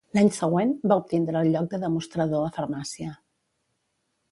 L'any següent, va obtindre el lloc de demostrador a farmàcia.